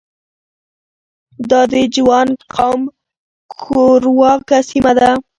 دا د جوانګ قوم کورواکه سیمه ده.